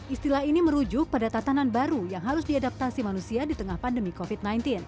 istilah ini merujuk pada tatanan baru yang harus diadaptasi manusia di tengah pandemi covid sembilan belas